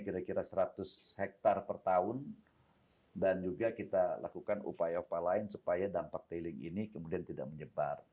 kira kira seratus hektare per tahun dan juga kita lakukan upaya upaya lain supaya dampak tailing ini kemudian tidak menyebar